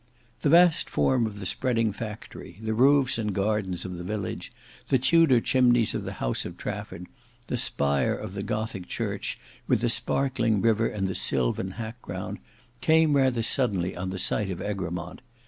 The vast form of the spreading factory, the roofs and gardens of the village, the Tudor chimneys of the house of Trafford, the spire of the gothic church, with the sparkling river and the sylvan hack ground, came rather suddenly on the sight of Egremont.